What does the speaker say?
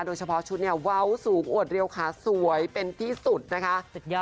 โดยเฉพาะชุดเนี่ยเว้าสูงอวดเร็วขาสวยเป็นที่สุดนะคะ